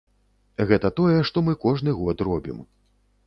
Гэта тое, што мы кожны год робім.